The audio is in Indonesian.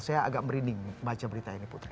saya agak merinding baca berita ini putri